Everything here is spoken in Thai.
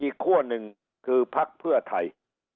ขั้วหนึ่งคือพักเพื่อไทย